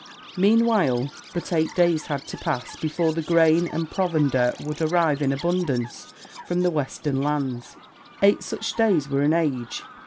Meanwhile, but eight days had to pass before the grain and provender would arrive in abundance from the western lands. Eight such days were an age.